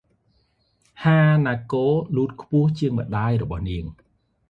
ហាណាកូ លូតខ្ពស់ជាងម្តាយរបស់នាង ។